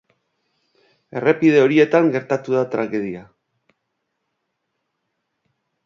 Errepide horietan gertatu da tragedia.